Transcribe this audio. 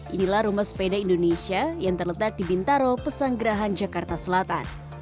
inilah rumah sepeda indonesia yang terletak di bintaro pesanggerahan jakarta selatan